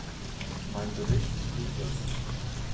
Mein Bericht tut das.